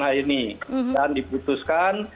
hal ini dan diputuskan